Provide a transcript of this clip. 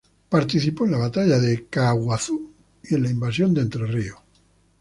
Participó en la batalla de Caaguazú y en su invasión de Entre Ríos.